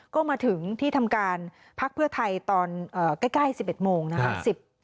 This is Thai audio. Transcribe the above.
ก็มาถึงที่ทำการพักเพื่อไทยตอนใกล้๑๑โมงนะครับ